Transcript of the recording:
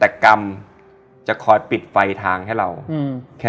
แต่กรรมจะคอยปิดไฟทางให้เราแค่